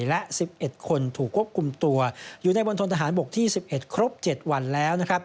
และ๑๑คนถูกควบคุมตัวอยู่ในบนทนทหารบกที่๑๑ครบ๗วันแล้วนะครับ